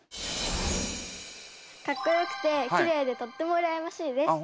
かっこよくてきれいでとってもうらやましいです。